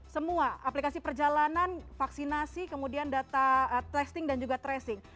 semua aplikasi perjalanan vaksinasi kemudian data testing dan juga tracing